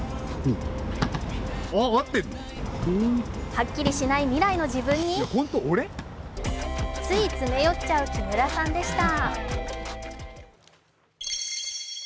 はっきりしない未来の自分につい詰め寄っちゃう木村さんでした。